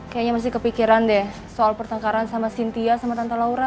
kayaknya masih kepikiran deh soal pertengkaran sama cynthia sama tante laura